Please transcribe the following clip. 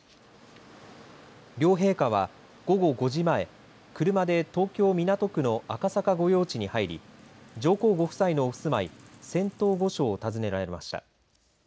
両陛下は、午後５時前車で東京、港区の赤坂御用地に入り上皇ご夫妻のお住まい仙洞御所を訪ねられました。